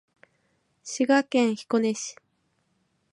滋賀県彦根市